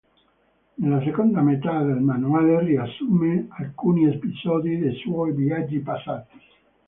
Nella seconda metà del manuale riassume alcuni episodi dei suoi viaggi passati.